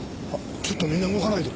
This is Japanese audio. ちょっとみんな動かないで。